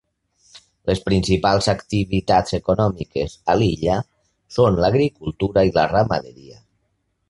Les principals activitats econòmiques a l'illa són l'agricultura i la ramaderia.